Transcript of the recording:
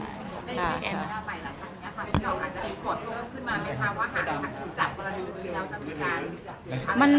พี่น้องอาจจะมีกฎเพิ่มขึ้นมาไหมคะ